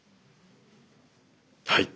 はい。